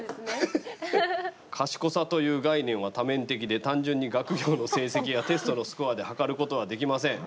「賢さという概念は多面的で単純に学業の成績やテストのスコアで測ることはできません」。